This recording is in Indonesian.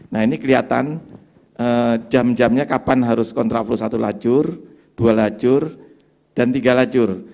nah ini kelihatan jam jamnya kapan harus kontrapro satu lajur dua lajur dan tiga lajur